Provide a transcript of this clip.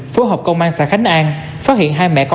thị cẩn sinh năm một nghìn chín trăm năm mươi năm